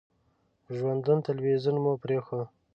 ژوندون تلویزیون مو پرېښود.